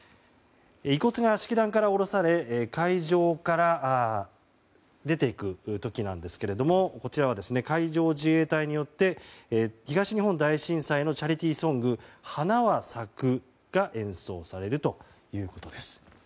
遺骨が式壇から降ろされ会場から出て行く時なんですがこちらは海上自衛隊によって東日本大震災のチャリティーソング「花は咲く」が演奏されるということです。